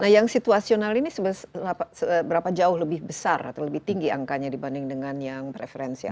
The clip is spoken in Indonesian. nah yang situasional ini seberapa jauh lebih besar atau lebih tinggi angkanya dibanding dengan yang preferensial